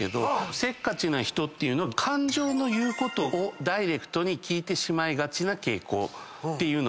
せっかちな人っていうのは感情のいうことをダイレクトに聞いてしまいがちな傾向っていうのがあって。